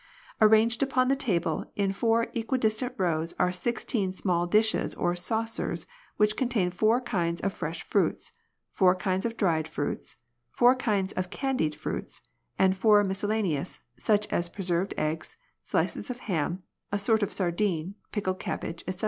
Arranged upon the table in four equidistant rows are sixteen small dishes or saucers which contain four kinds of fresh fruits, four kinds of dried fruits, four kinds of candied fruits, and four miscellaneous, such as preserved eggs, slices of ham, a sort of sardine, pickled cabbage, &c.